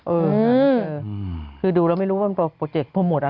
เออคือดูแล้วไม่รู้ว่ามันโปรเจคโพโมทอะไร